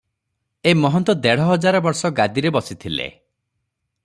ଏ ମହନ୍ତ ଦେଢ଼ ହଜାର ବର୍ଷ ଗାଦିରେ ବସିଥିଲେ ।